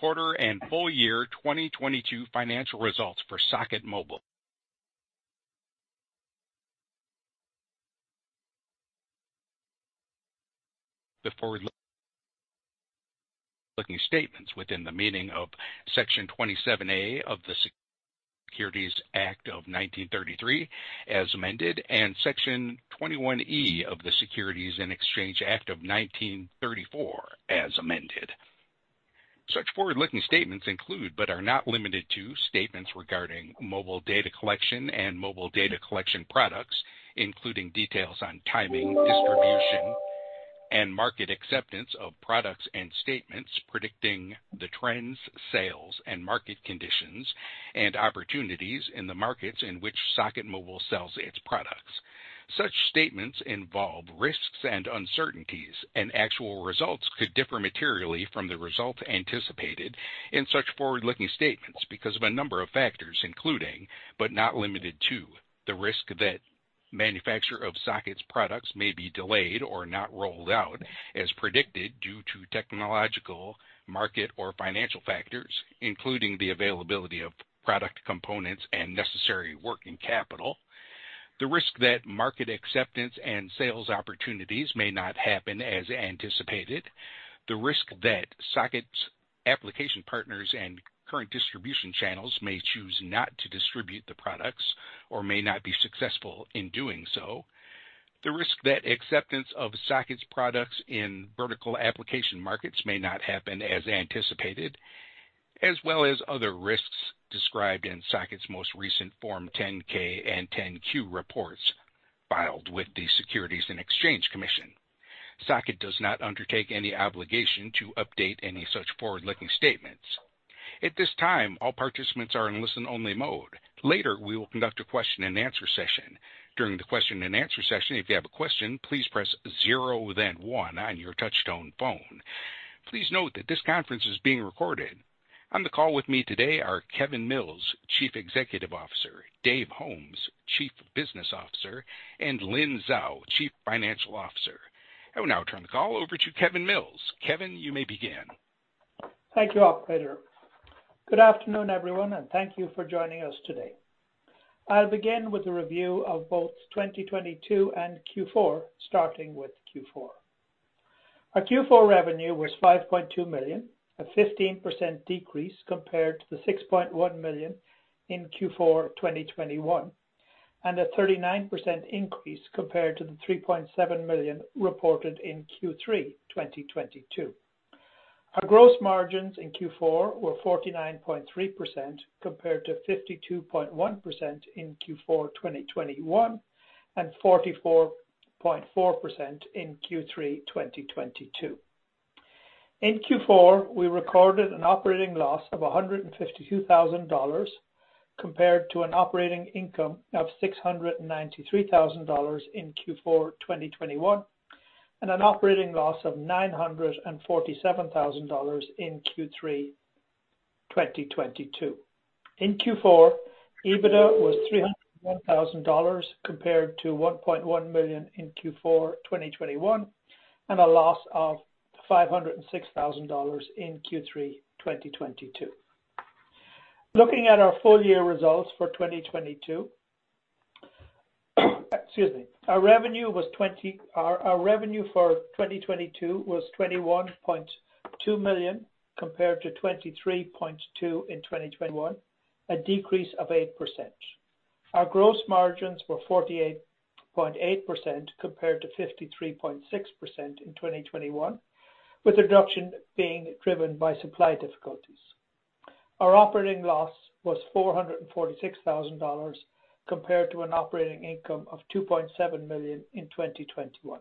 Quarter and full year 2022 financial results for Socket Mobile. The forward-looking statements within the meaning of Section 27A of the Securities Act of 1933 as amended, and Section 21E of the Securities and Exchange Act of 1934 as amended. Such forward-looking statements include, but are not limited to, statements regarding mobile data collection and mobile data collection products, including details on timing, distribution, and market acceptance of products, and statements predicting the trends, sales, and market conditions and opportunities in the markets in which Socket Mobile sells its products. Such statements involve risks and uncertainties, and actual results could differ materially from the results anticipated in such forward-looking statements because of a number of factors, including but not limited to, the risk that manufacture of Socket's products may be delayed or not rolled out as predicted due to technological, market, or financial factors, including the availability of product components and necessary working capital. The risk that market acceptance and sales opportunities may not happen as anticipated. The risk that Socket's application partners and current distribution channels may choose not to distribute the products or may not be successful in doing so. The risk that acceptance of Socket's products in vertical application markets may not happen as anticipated. As well as other risks described in Socket's most recent Form 10-K and 10-Q reports filed with the Securities and Exchange Commission. Socket does not undertake any obligation to update any such forward-looking statements. At this time, all participants are in listen-only mode. Later, we will conduct a question-and-answer session. During the question-and-answer session, if you have a question, please press zero, then one on your touchtone phone. Please note that this conference is being recorded. On the call with me today are Kevin Mills, Chief Executive Officer, Dave Holmes, Chief Business Officer, and Lynn Zhao, Chief Financial Officer. I will now turn the call over to Kevin Mills. Kevin, you may begin. Thank you, operator. Good afternoon, everyone, and thank you for joining us today. I'll begin with a review of both 2022 and Q4, starting with Q4. Our Q4 revenue was $5.2 million, a 15% decrease compared to the $6.1 million in Q4 2021, and a 39% increase compared to the $3.7 million reported in Q3 2022. Our gross margins in Q4 were 49.3% compared to 52.1% in Q4 2021 and 44.4% in Q3 2022. In Q4, we recorded an operating loss of $152,000 compared to an operating income of $693,000 in Q4 2021, and an operating loss of $947,000 in Q3 2022. In Q4, EBITDA was $301,000 compared to $1.1 million in Q4 2021, and a loss of $506,000 in Q3 2022. Looking at our full-year results for 2022, excuse me. Our revenue for 2022 was $21.2 million compared to $23.2 million in 2021, a decrease of 8%. Our gross margins were 48.8% compared to 53.6% in 2021, with the reduction being driven by supply difficulties. Our operating loss was $446,000 compared to an operating income of $2.7 million in 2021.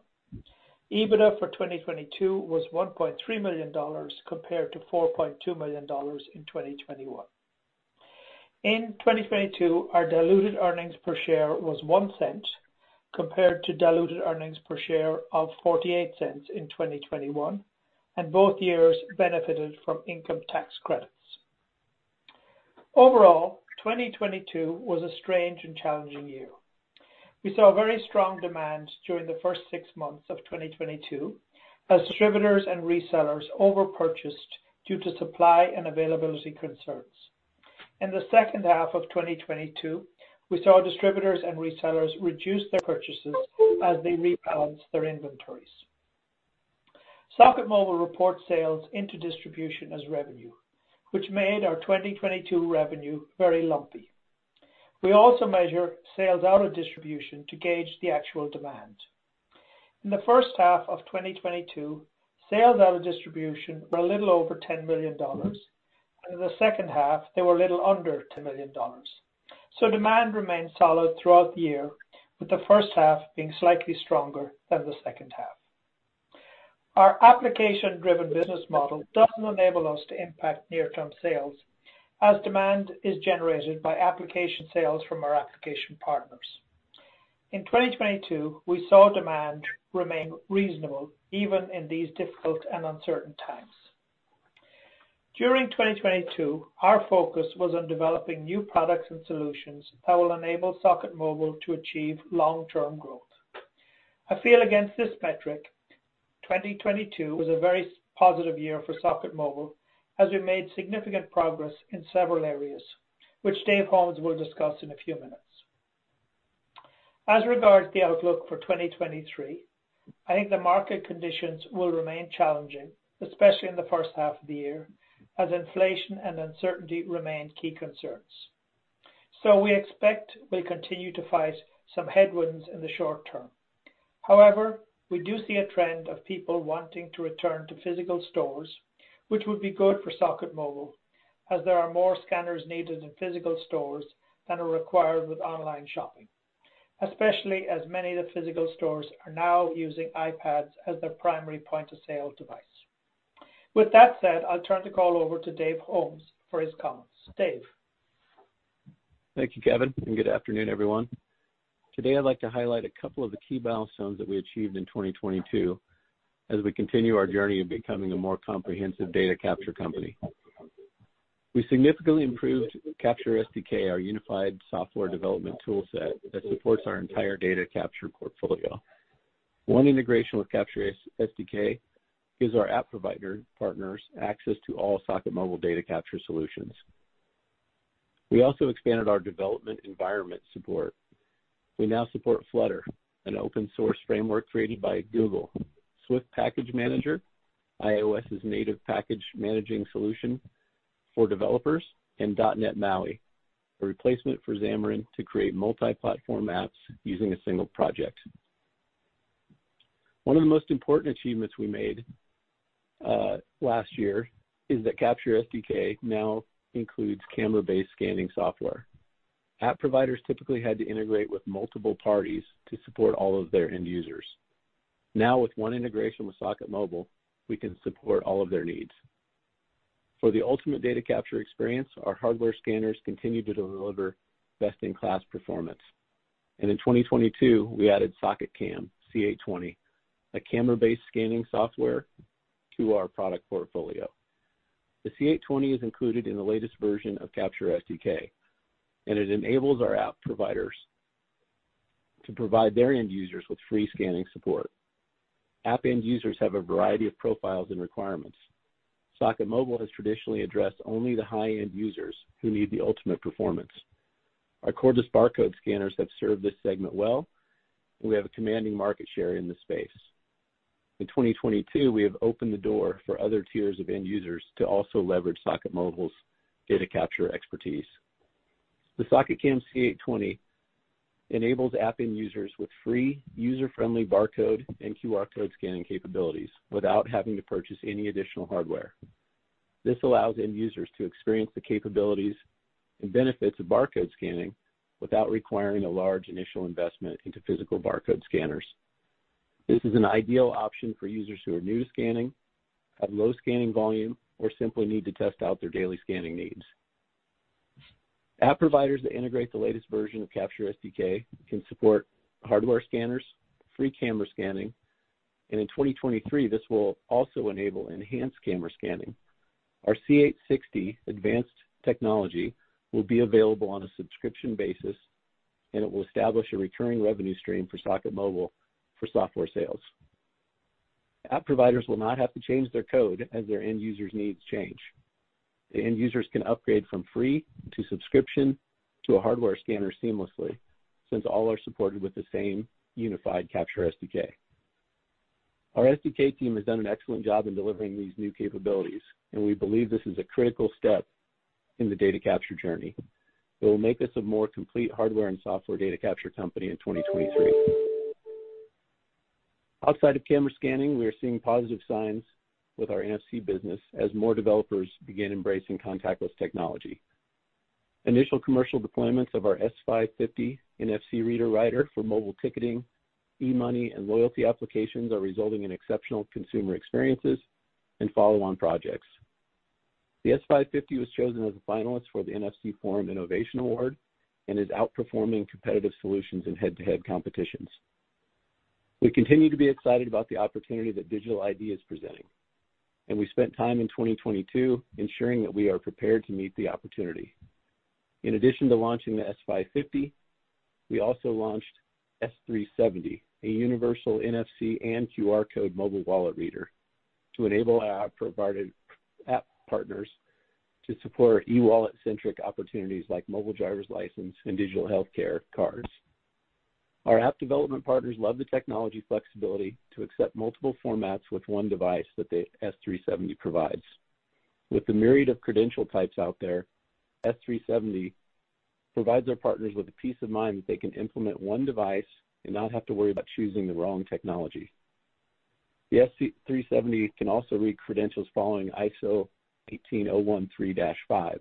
EBITDA for 2022 was $1.3 million compared to $4.2 million in 2021. In 2022, our diluted earnings per share was $0.01 compared to diluted earnings per share of $0.48 in 2021. Both years benefited from income tax credits. Overall, 2022 was a strange and challenging year. We saw very strong demand during the first six months of 2022 as distributors and resellers over-purchased due to supply and availability concerns. In the second half of 2022, we saw distributors and resellers reduce their purchases as they rebalance their inventories. Socket Mobile reports sales into distribution as revenue, which made our 2022 revenue very lumpy. We also measure sales out of distribution to gauge the actual demand. In the first half of 2022, sales out of distribution were a little over $10 million. In the second half they were a little under $2 million. Demand remained solid throughout the year, with the first half being slightly stronger than the second half. Our application-driven business model doesn't enable us to impact near-term sales as demand is generated by application sales from our application partners. In 2022, we saw demand remain reasonable even in these difficult and uncertain times. During 2022, our focus was on developing new products and solutions that will enable Socket Mobile to achieve long-term growth. I feel against this metric, 2022 was a very positive year for Socket Mobile as we made significant progress in several areas, which Dave Holmes will discuss in a few minutes. As regards the outlook for 2023, I think the market conditions will remain challenging, especially in the first half of the year, as inflation and uncertainty remain key concerns. We expect we'll continue to fight some headwinds in the short term. However, we do see a trend of people wanting to return to physical stores, which would be good for Socket Mobile, as there are more scanners needed in physical stores than are required with online shopping, especially as many of the physical stores are now using iPads as their primary point-of-sale device. With that said, I'll turn the call over to Dave Holmes for his comments. Dave. Thank you, Kevin. Good afternoon, everyone. Today I'd like to highlight a couple of the key milestones that we achieved in 2022 as we continue our journey of becoming a more comprehensive data capture company. We significantly improved CaptureSDK, our unified software development tool set that supports our entire data capture portfolio. One integration with CaptureSDK gives our app provider partners access to all Socket Mobile data capture solutions. We also expanded our development environment support. We now support Flutter, an open source framework created by Google, Swift Package Manager, iOS's native package managing solution for developers, and .NET MAUI, a replacement for Xamarin to create multi-platform apps using a single project. One of the most important achievements we made last year is that CaptureSDK now includes camera-based scanning software. App providers typically had to integrate with multiple parties to support all of their end users. Now, with one integration with Socket Mobile, we can support all of their needs. For the ultimate data capture experience, our hardware scanners continue to deliver best-in-class performance. In 2022, we added SocketCam C820, a camera-based scanning software to our product portfolio. The C820 is included in the latest version of CaptureSDK, and it enables our app providers to provide their end users with free scanning support. App end users have a variety of profiles and requirements. Socket Mobile has traditionally addressed only the high-end users who need the ultimate performance. Our cordless barcode scanners have served this segment well. We have a commanding market share in this space. In 2022, we have opened the door for other tiers of end users to also leverage Socket Mobile's data capture expertise. The SocketCam C820 enables app end users with free user-friendly barcode and QR code scanning capabilities without having to purchase any additional hardware. This allows end users to experience the capabilities and benefits of barcode scanning without requiring a large initial investment into physical barcode scanners. This is an ideal option for users who are new to scanning, have low scanning volume, or simply need to test out their daily scanning needs. App providers that integrate the latest version of CaptureSDK can support hardware scanners, free camera scanning, and in 2023, this will also enable enhanced camera scanning. Our C860 advanced technology will be available on a subscription basis, and it will establish a recurring revenue stream for Socket Mobile for software sales. App providers will not have to change their code as their end users needs change. The end users can upgrade from free to subscription to a hardware scanner seamlessly, since all are supported with the same unified CaptureSDK. Our SDK team has done an excellent job in delivering these new capabilities, and we believe this is a critical step in the data capture journey that will make us a more complete hardware and software data capture company in 2023. Outside of camera scanning, we are seeing positive signs with our NFC business as more developers begin embracing contactless technology. Initial commercial deployments of our S550 NFC reader/writer for mobile ticketing, e-money, and loyalty applications are resulting in exceptional consumer experiences and follow on projects. The S550 was chosen as a finalist for the NFC Forum Innovation Award and is outperforming competitive solutions in head-to-head competitions. We continue to be excited about the opportunity that Digital ID is presenting. We spent time in 2022 ensuring that we are prepared to meet the opportunity. In addition to launching the S550, we also launched S370, a universal NFC and QR code mobile wallet reader to enable our provided app partners to support e-wallet centric opportunities like mobile driver's license and digital healthcare cards. Our app development partners love the technology flexibility to accept multiple formats with one device that the S370 provides. With the myriad of credential types out there, S370 provides our partners with a peace of mind that they can implement one device and not have to worry about choosing the wrong technology. The S370 can also read credentials following ISO 18013-5.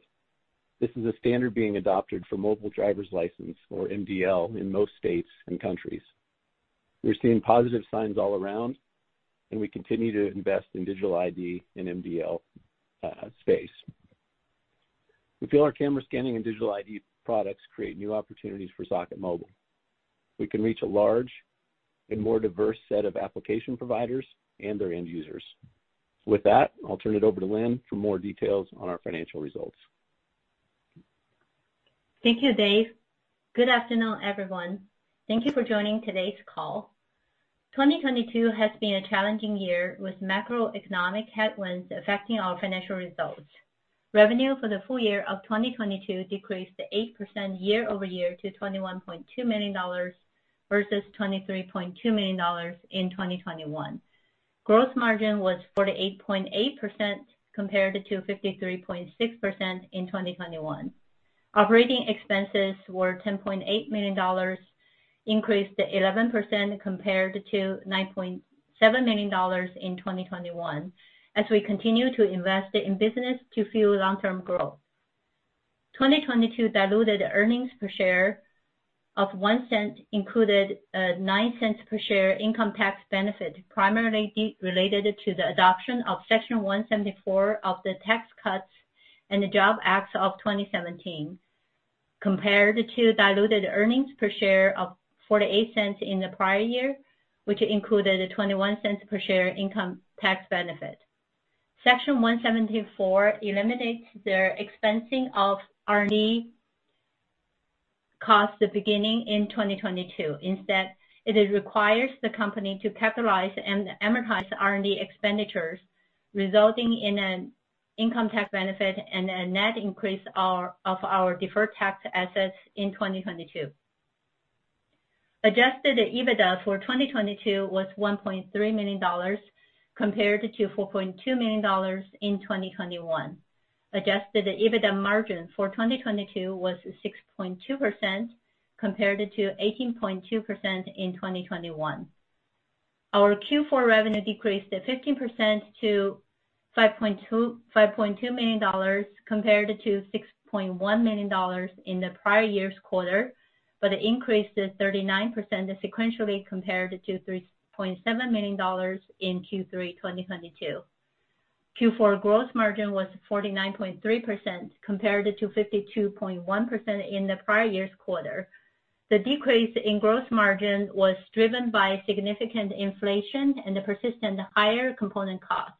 This is a standard being adopted for mobile driver's license or MDL in most states and countries. We're seeing positive signs all around, and we continue to invest in Digital ID and MDL space. We feel our camera scanning and Digital ID products create new opportunities for Socket Mobile. We can reach a large and more diverse set of application providers and their end users. With that, I'll turn it over to Lynn for more details on our financial results. Thank you, Dave. Good afternoon, everyone. Thank you for joining today's call. 2022 has been a challenging year, with macroeconomic headwinds affecting our financial results. Revenue for the full year of 2022 decreased 8% year-over-year to $21.2 million versus $23.2 million in 2021. Gross margin was 48.8% compared to 53.6% in 2021. Operating expenses were $10.8 million, increased 11% compared to $9.7 million in 2021 as we continue to invest in business to fuel long-term growth. 2022 diluted earnings per share of $0.01 included $0.09 per share income tax benefit, primarily related to the adoption of Section 174 of the Tax Cuts and Jobs Act of 2017 compared to diluted earnings per share of $0.48 in the prior year, which included a $0.21 per share income tax benefit. Section 174 eliminates the expensing of R&D costs beginning in 2022. Instead, it requires the company to capitalize and amortize R&D expenditures, resulting in an income tax benefit and a net increase of our deferred tax assets in 2022. Adjusted EBITDA for 2022 was $1.3 million compared to $4.2 million in 2021. Adjusted EBITDA margin for 2022 was 6.2% compared to 18.2% in 2021. Our Q4 revenue decreased 15% to $5.2 million compared to $6.1 million in the prior year's quarter, increased 39% sequentially compared to $3.7 million in Q3 2022. Q4 gross margin was 49.3% compared to 52.1% in the prior year's quarter. The decrease in gross margin was driven by significant inflation and the persistent higher component costs.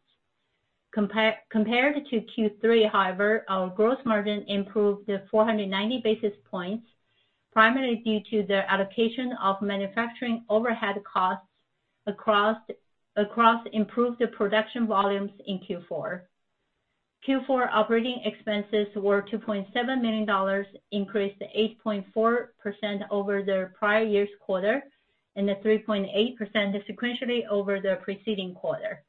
Compared to Q3, however, our gross margin improved 490 basis points, primarily due to the allocation of manufacturing overhead costs across improved production volumes in Q4. Q4 operating expenses were $2.7 million, increased 8.4% over the prior year's quarter and 3.8% sequentially over the preceding quarter.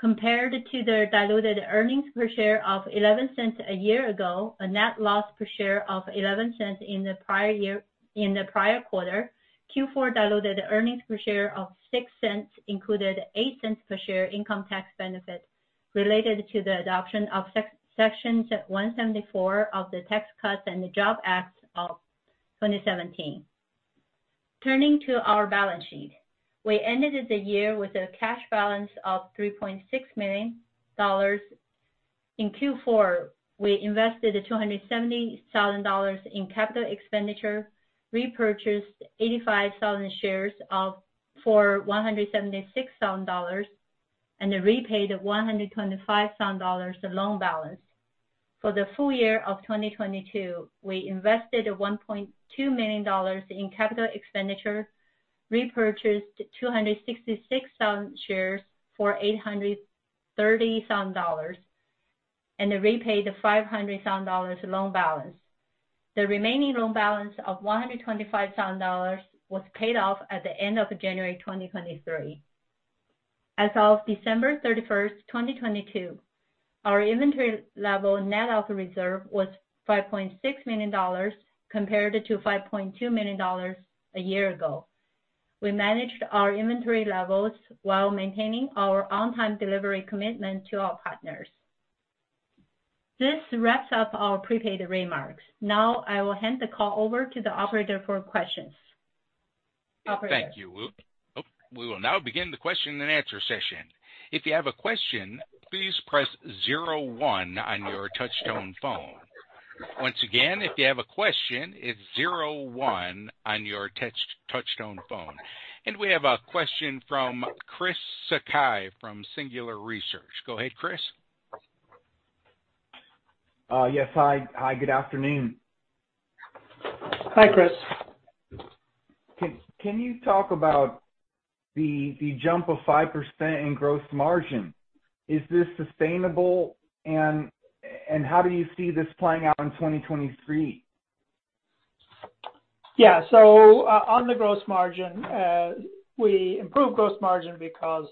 Compared to the diluted earnings per share of $0.11 a year ago, a net loss per share of $0.11 in the prior year, in the prior quarter, Q4 diluted earnings per share of $0.06 included $0.08 per share income tax benefit related to the adoption of Section 174 of the Tax Cuts and Jobs Act of 2017. Turning to our balance sheet. We ended the year with a cash balance of $3.6 million. In Q4, we invested $270,000 in capital expenditure, repurchased 85,000 shares for $176,000, and repaid $125,000 loan balance. For the full year of 2022, we invested $1.2 million in capital expenditure, repurchased 266,000 shares for $830,000, and repaid $500,000 loan balance. The remaining loan balance of $125,000 was paid off at the end of January 2023. As of December 31st, 2022, our inventory level net of reserve was $5.6 million, compared to $5.2 million a year ago. We managed our inventory levels while maintaining our on-time delivery commitment to our partners. This wraps up our prepared remarks. Now, I will hand the call over to the operator for questions. Operator? Thank you, We. We will now begin the question and answer session. If you have a question, please press zero one on your touchtone phone. Once again, if you have a question, it's zero one on your touchtone phone. We have a question from Chris Sakai from Singular Research. Go ahead, Chris. Yes. Hi, good afternoon. Hi, Chris. Can you talk about the jump of 5% in gross margin? Is this sustainable? How do you see this playing out in 2023? Yeah. On the gross margin, we improved gross margin because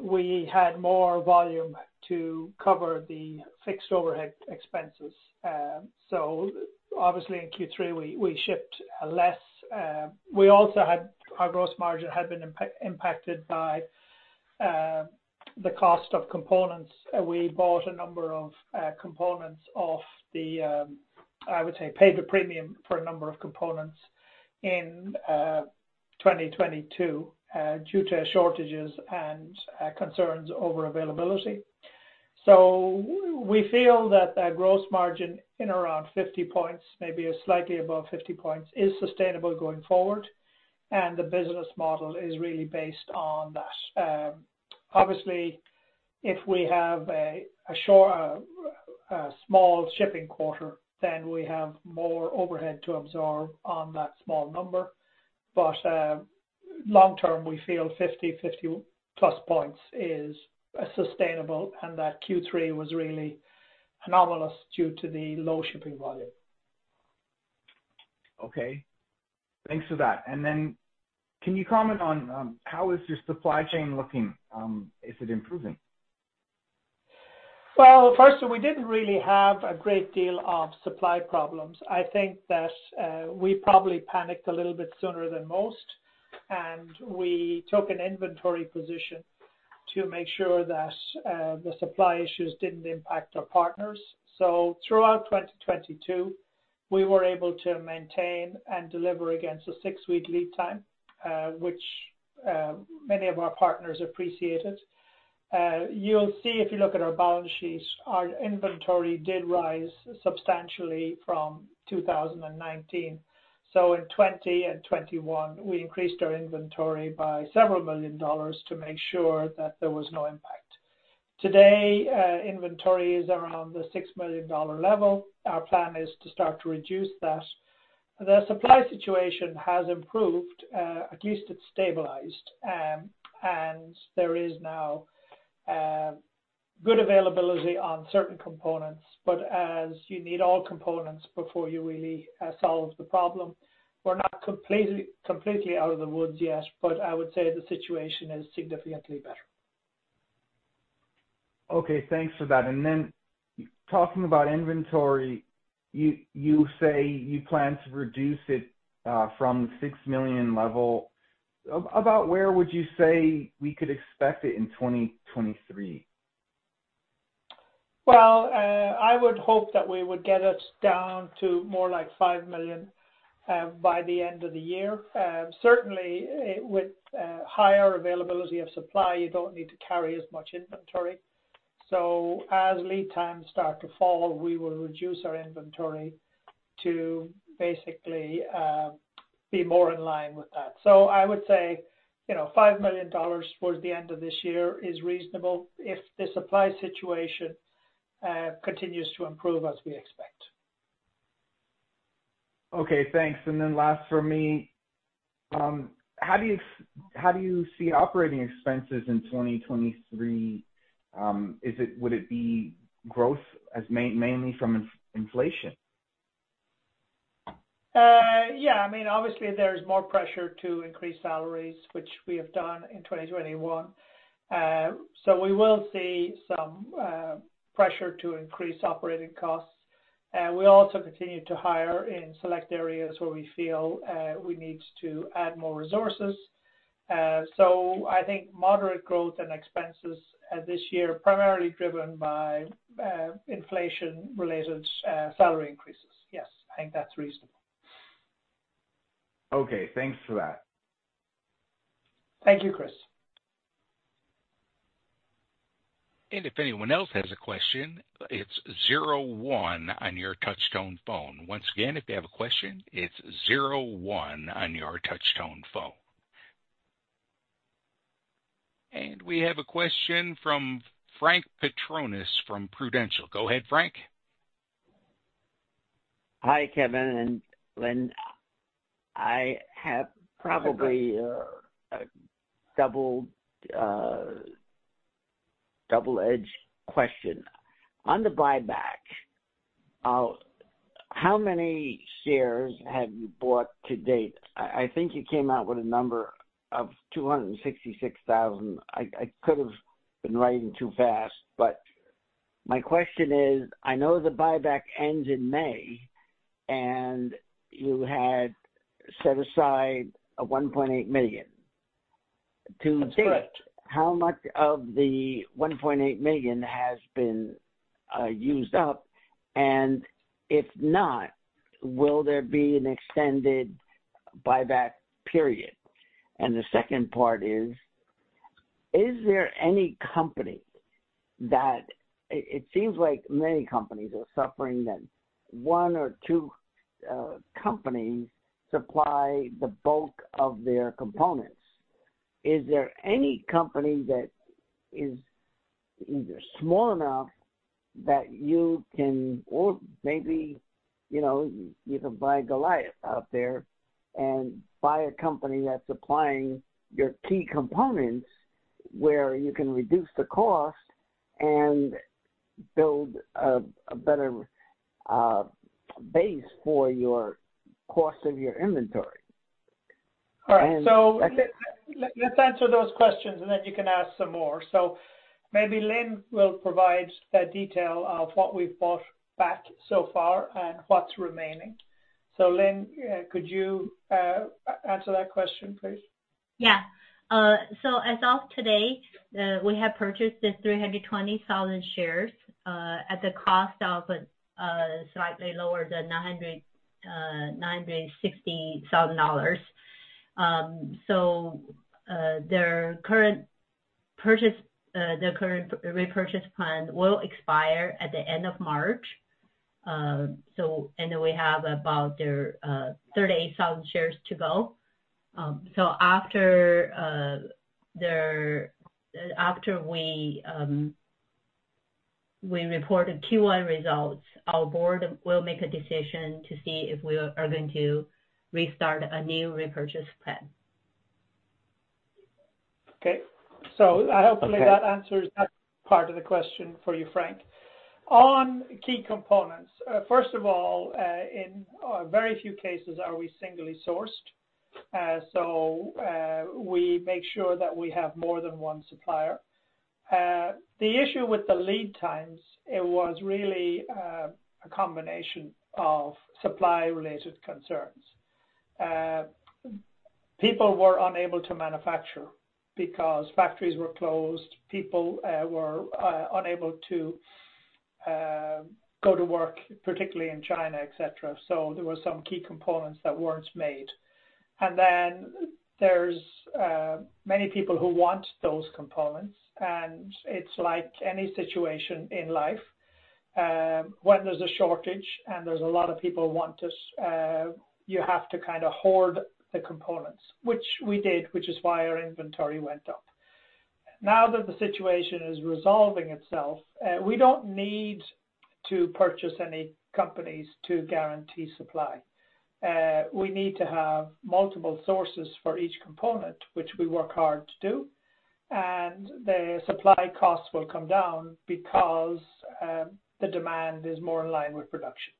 we had more volume to cover the fixed overhead expenses. Obviously in Q3 we shipped less. We also had our gross margin had been impacted by the cost of components. We bought a number of components of the, I would say, paid a premium for a number of components in 2022 due to shortages and concerns over availability. We feel that a gross margin in around 50 points, maybe slightly above 50 points, is sustainable going forward, and the business model is really based on that. Obviously, if we have a small shipping quarter, then we have more overhead to absorb on that small number. Long term, we feel 50 plus points is sustainable, and that Q3 was really anomalous due to the low shipping volume. Okay. Thanks for that. Can you comment on how is your supply chain looking? Is it improving? Well, first, we didn't really have a great deal of supply problems. I think that we probably panicked a little bit sooner than most, and we took an inventory position to make sure that the supply issues didn't impact our partners. Throughout 2022, we were able to maintain and deliver against a 6-week lead time, which many of our partners appreciated. You'll see if you look at our balance sheets, our inventory did rise substantially from 2019. In 2020 and 2021, we increased our inventory by several million dollars to make sure that there was no impact. Today, inventory is around the $6 million level. Our plan is to start to reduce that. The supply situation has improved, at least it's stabilized. There is now good availability on certain components, but as you need all components before you really solve the problem, we're not completely out of the woods yet, but I would say the situation is significantly better. Okay. Thanks for that. Talking about inventory, you say you plan to reduce it from $6 million level. About where would you say we could expect it in 2023? I would hope that we would get it down to more like $5 million by the end of the year. Certainly with higher availability of supply, you don't need to carry as much inventory. As lead times start to fall, we will reduce our inventory to basically be more in line with that. I would say, you know, $5 million towards the end of this year is reasonable if the supply situation continues to improve as we expect. Okay, thanks. Last for me, how do you see operating expenses in 2023? Would it be growth as mainly from inflation? Yeah. I mean, obviously there is more pressure to increase salaries, which we have done in 2021. We will see some pressure to increase operating costs. We also continue to hire in select areas where we feel we need to add more resources. I think moderate growth and expenses this year, primarily driven by inflation-related salary increases. Yes, I think that's reasonable. Okay, thanks for that. Thank you, Chris. If anyone else has a question, it's zero one on your touch tone phone. Once again, if you have a question, it's zero one on your touch tone phone. We have a question from Frank Perrone from Prudential. Go ahead, Frank. Hi, Kevin and Lynn. I have probably a double-edged question. On the buyback, how many shares have you bought to date? I think you came out with a number of 266,000. I could have been writing too fast, but my question is, I know the buyback ends in May, and you had set aside $1.8 million. That's correct. To date, how much of the $1.8 million has been used up? If not, will there be an extended buyback period? The second part is there any company that one or two companies supply the bulk of their components? Is there any company that is either small enough that you can or maybe, you know, you can buy Goliath out there and buy a company that's supplying your key components where you can reduce the cost and build a better base for your cost of your inventory? All right. And- Let's answer those questions, and then you can ask some more. Maybe Lynn will provide the detail of what we've bought back so far and what's remaining. Lynn, could you answer that question, please? Yeah. As of today, we have purchased the 320,000 shares at the cost of slightly lower than $960,000. The current repurchase plan will expire at the end of March. We have about 38,000 shares to go. After we report the Q1 results, our board will make a decision to see if we are going to restart a new repurchase plan. Hopefully that answers that part of the question for you, Frank. On key components, first of all, in very few cases are we singly sourced. We make sure that we have more than one supplier. The issue with the lead times, it was really a combination of supply-related concerns. People were unable to manufacture because factories were closed, people were unable to go to work, particularly in China, et cetera. There were some key components that weren't made. There's many people who want those components, and it's like any situation in life, when there's a shortage and there's a lot of people want to, you have to kind of hoard the components, which we did, which is why our inventory went up. Now that the situation is resolving itself, we don't need to purchase any companies to guarantee supply. We need to have multiple sources for each component, which we work hard to do, and the supply costs will come down because the demand is more in line with production.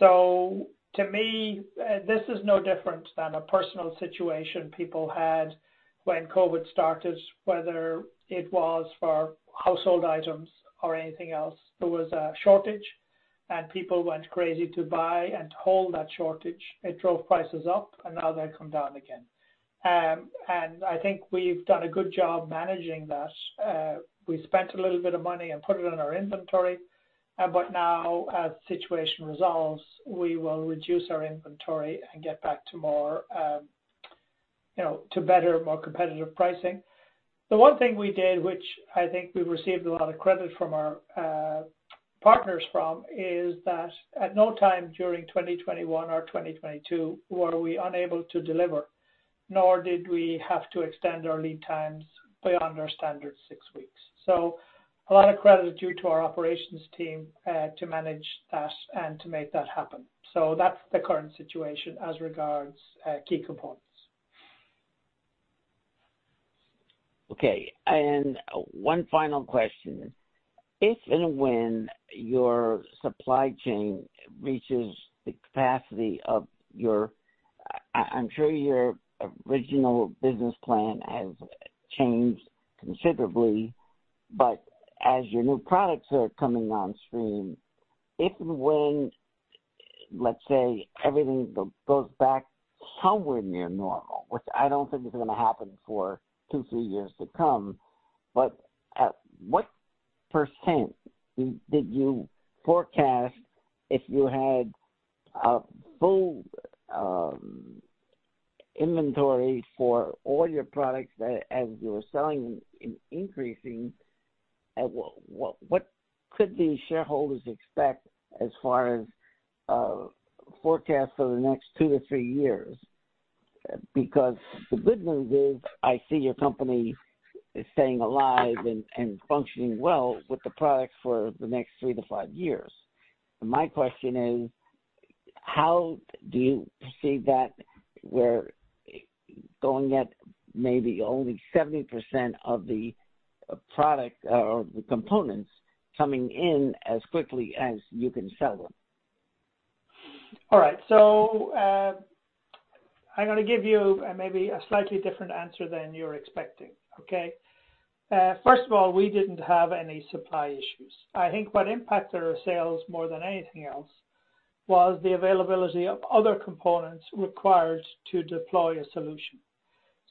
To me, this is no different than a personal situation people had when COVID started, whether it was for household items or anything else. There was a shortage, and people went crazy to buy and hold that shortage. It drove prices up, and now they've come down again. I think we've done a good job managing that. We spent a little bit of money and put it in our inventory, but now as situation resolves, we will reduce our inventory and get back to more, you know, to better, more competitive pricing. The one thing we did, which I think we received a lot of credit from our partners from, is that at no time during 2021 or 2022 were we unable to deliver, nor did we have to extend our lead times beyond our standard six weeks. A lot of credit is due to our operations team to manage that and to make that happen. That's the current situation as regards key components. Okay. One final question. If and when your supply chain reaches the capacity of your... I'm sure your original business plan has changed considerably, but as your new products are coming on stream, if and when, let's say, everything goes back somewhere near normal, which I don't think is gonna happen for two, three years to come, but at what percent did you forecast if you had a full inventory for all your products that as you were selling and increasing, what could the shareholders expect as far as forecast for the next two-three years? The good news is I see your company staying alive and functioning well with the products for the next three-five years. My question is, how do you perceive that we're going at maybe only 70% of the product or the components coming in as quickly as you can sell them? All right. I'm gonna give you maybe a slightly different answer than you're expecting, okay? First of all, we didn't have any supply issues. I think what impacted our sales more than anything else was the availability of other components required to deploy a solution.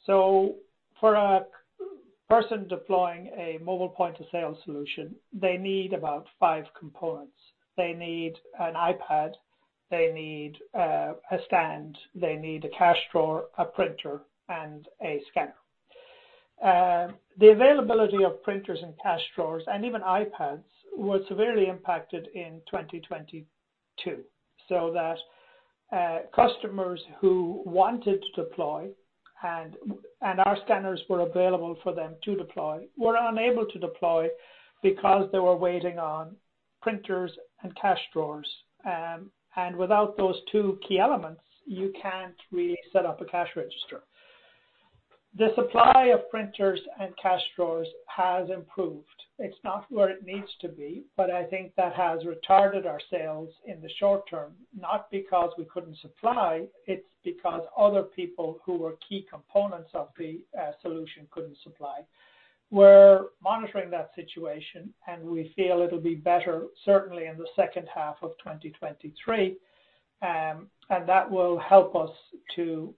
For a person deploying a mobile point-of-sale solution, they need about five components. They need an iPad, they need a stand, they need a cash drawer, a printer, and a scanner. The availability of printers and cash drawers, and even iPads, was severely impacted in 2022, customers who wanted to deploy and our scanners were available for them to deploy, were unable to deploy because they were waiting on printers and cash drawers. Without those two key elements, you can't really set up a cash register. The supply of printers and cash drawers has improved. It's not where it needs to be, but I think that has retarded our sales in the short term, not because we couldn't supply, it's because other people who were key components of the solution couldn't supply. We're monitoring that situation. We feel it'll be better certainly in the second half of 2023. That will help us to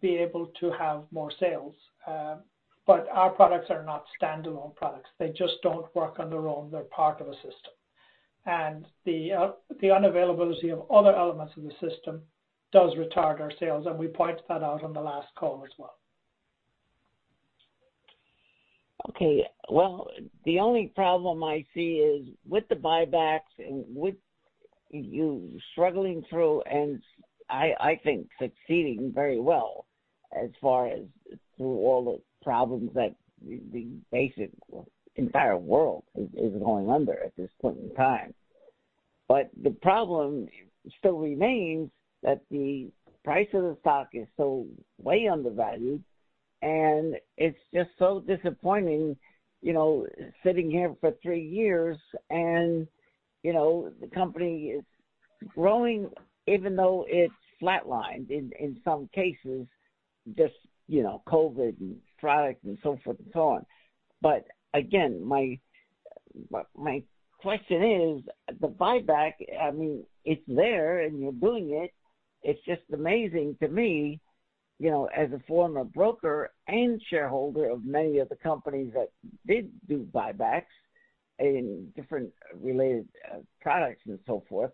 be able to have more sales. Our products are not standalone products. They just don't work on their own. They're part of a system. The unavailability of other elements of the system does retard our sales, and we pointed that out on the last call as well. Okay. Well, the only problem I see is with the buybacks and with you struggling through, and I think succeeding very well as far as through all the problems that the basic entire world is going under at this point in time. The problem still remains that the price of the stock is so way undervalued, and it's just so disappointing, you know, sitting here for three years and, you know, the company is growing even though it's flatlined in some cases, just, you know, COVID and products and so forth and so on. Again, my question is the buyback, I mean, it's there, and you're doing it. It's just amazing to me, you know, as a former broker and shareholder of many of the companies that did do buybacks in different related, products and so forth,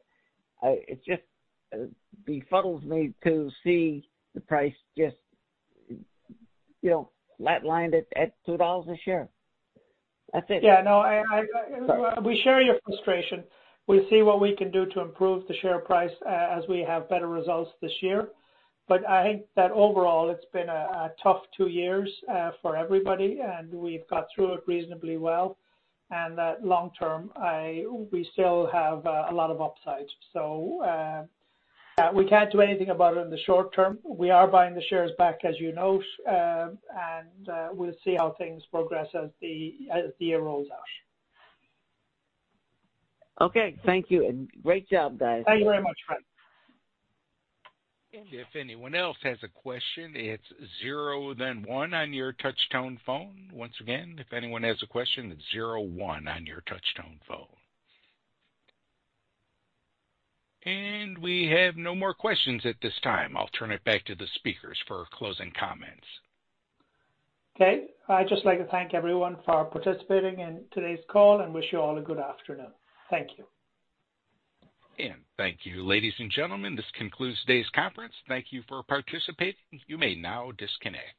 it just befuddles me to see the price just, you know, flatlined at $2 a share. That's it. Yeah, no, We share your frustration. We'll see what we can do to improve the share price as we have better results this year. I think that overall it's been a tough two years for everybody, and we've got through it reasonably well, and that long term, we still have a lot of upsides. We can't do anything about it in the short term. We are buying the shares back as you know, and we'll see how things progress as the year rolls out. Okay, thank you, and great job, guys. Thank you very much, Frank. If anyone else has a question, it's 0, then 1 on your touch tone phone. Once again, if anyone has a question, it's 0 1 on your touch tone phone. We have no more questions at this time. I'll turn it back to the speakers for closing comments. Okay. I'd just like to thank everyone for participating in today's call and wish you all a good afternoon. Thank you. Thank you, ladies and gentlemen. This concludes today's conference. Thank you for participating. You may now disconnect.